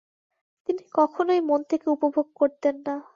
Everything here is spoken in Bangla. তিনি কখনই মন থেকে উপভোগ করতেন না।